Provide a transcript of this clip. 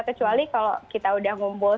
kecuali kalau kita udah ngumpul